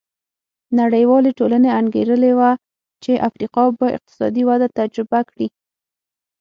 نړیوالې ټولنې انګېرلې وه چې افریقا به اقتصادي وده تجربه کړي.